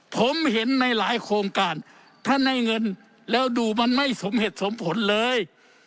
ผมเห็นในหลายโครงการท่านได้เงินแล้วดูมันไม่สมเหตุสมผลเลย